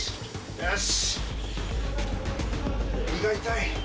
よし。